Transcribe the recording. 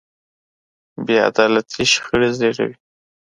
بې عدالتي شخړې زېږوي.